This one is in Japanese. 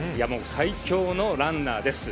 最強のランナーです。